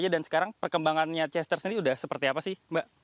dan sekarang perkembangannya chester sendiri sudah seperti apa sih mbak